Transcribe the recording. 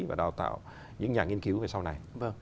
và đào tạo những nhà nghiên cứu về sau này